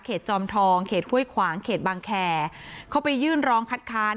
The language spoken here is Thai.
จอมทองเขตห้วยขวางเขตบางแคร์เขาไปยื่นร้องคัดค้าน